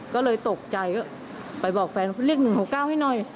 ก็เลยตกใจอ่ะไปบอกแฟนเขาเรียกหนึ่งหกเก้าให้หน่อย